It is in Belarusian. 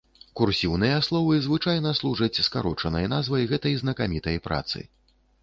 Курсіўныя словы звычайна служаць скарочанай назвай гэтай знакамітай працы.